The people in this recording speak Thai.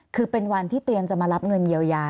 คือเป็นวันที่เตรียมจะมารับเงินเยียวยา